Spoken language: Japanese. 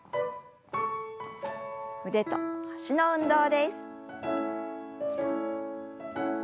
腕と脚の運動です。